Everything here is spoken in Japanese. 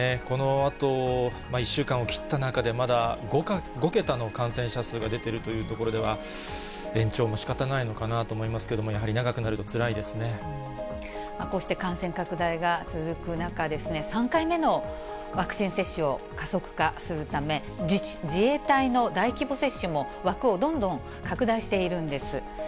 このあと１週間を切った中で、まだ５桁の感染者数が出ているというところでは、延長もしかたないのかなと思いますけれども、やはり、長くなるとこうして感染拡大が続く中、３回目のワクチン接種を加速化するため、自衛隊の大規模接種も枠をどんどん拡大しているんです。